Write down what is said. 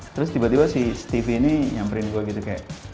terus tiba tiba si stefi ini nyamperin gue gitu kayak